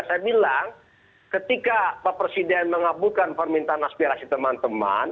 saya bilang ketika pak presiden mengabulkan permintaan aspirasi teman teman